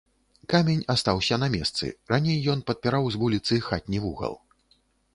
Камень астаўся на месцы, раней ён падпіраў з вуліцы хатні вугал.